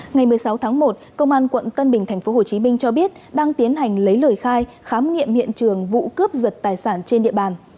ngày một mươi sáu tháng một công an quận tân bình tp hcm cho biết đang tiến hành lấy lời khai khám nghiệm hiện trường vụ cướp giật tài sản trên địa bàn